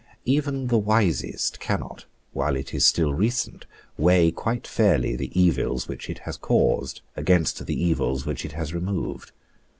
Even the wisest cannot, while it is still recent, weigh quite fairly the evils which it has caused against the evils which it has removed.